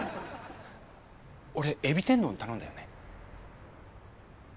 俺エビ天丼頼んだよね？